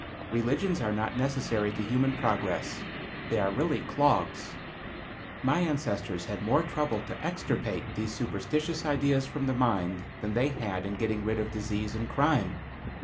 Religions are not necessary to human progress. They are really clogs. My ancestors had more trouble to extirpate these superstitious ideas from the mind than they had in getting rid of disease and crime.